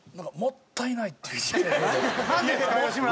「もったいない」って。